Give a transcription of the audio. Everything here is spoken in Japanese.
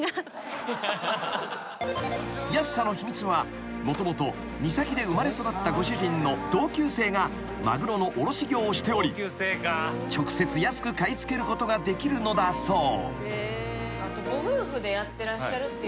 ［安さの秘密はもともと三崎で生まれ育ったご主人の同級生がマグロの卸業をしており直接安く買い付けることができるのだそう］